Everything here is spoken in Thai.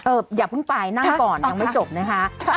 อย่าเพิ่งไปนั่งก่อนยังไม่จบนะคะ